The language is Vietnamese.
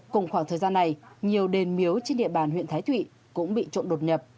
cùng khoảng thời gian này nhiều đền miếu trên địa bàn huyện thái thụy cũng bị trộm đột nhập